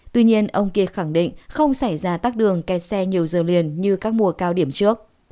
tuy nhiên ông kia khẳng định không xảy ra tắc đường kẹt xe nhiều giờ liền như các mùa cao điểm trước